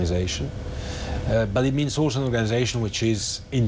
ฟีฟาต้องเข้าถึงแฟนต้องเข้าถึงนักฟุตบอล